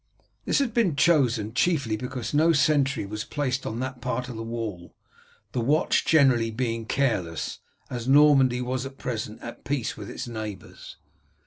This had been chosen chiefly because no sentry was placed on that part of the wall, the watch generally being careless, as Normandy was at present at peace with its neighbours.